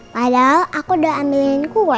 padahal aku udah ambilin kue